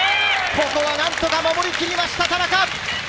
ここは何とか守り切りました田中。